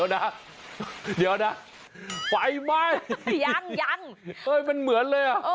เดี๋ยวนะไฟไหมยังมันเหมือนเลย